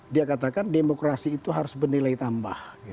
dia katakan demokrasi itu harus bernilai tambah